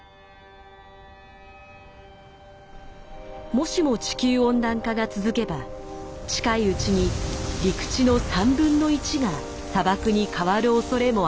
もしも地球温暖化が続けば近いうちに陸地の３分の１が砂漠に変わるおそれもあるという。